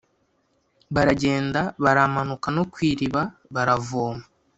baragenda baramanuka no ku iriba baravoma,